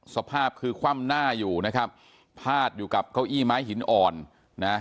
สภาพคือคว่ำหน้าอยู่นะครับพาดอยู่กับเก้าอี้ไม้หินอ่อนนะ